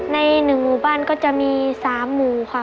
ใน๑หมู่บ้านก็จะมี๓หมู่ค่ะ